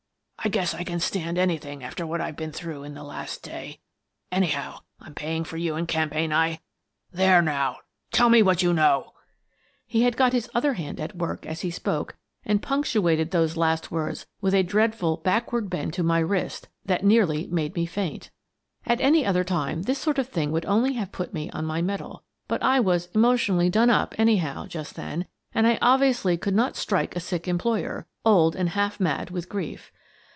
I guess I can stand anything after what I've been through in the last day. Anyhow, I'm paying for you and Kemp, ain't I? There, now! Tell me what you know!" He had got his other hand at work as he spoke and punctuated those last words with a dreadful backward bend to my wrist that nearly made me faint. 126 Miss Frances Baird, Detective SBaBBBBSBBSS=BSBSB^^BBBHEBBBBBBSBa At any other time, this sort of thing would only have put me on my mettle, but I was emotionally done up anyhow just then, and I obviously could not strike a sick employer, old and half mad with grief.